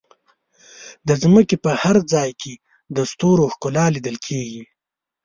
د ځمکې په هر ځای کې د ستورو ښکلا لیدل کېږي.